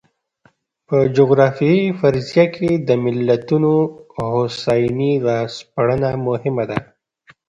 په جغرافیوي فرضیه کې د ملتونو د هوساینې را سپړنه مهمه ده.